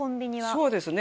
そうですね。